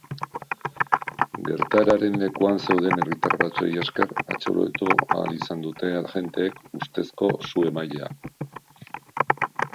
Gertaeraren lekuan zeuden herritar batzuei esker atxilotu ahal izan dute agenteek ustezko su-emailea.